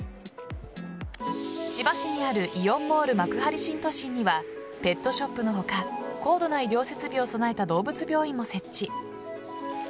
千葉市にあるイオンモール幕張新都心にはペットショップの他高度な医療設備を備えた動物病院も設置。